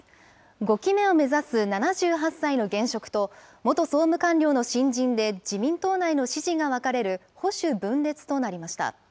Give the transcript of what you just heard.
５期目を目指す７８歳の現職と、元総務官僚の新人で自民党内の支持が分かれる、保守分裂となりました。